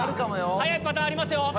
早いパターンありますよ。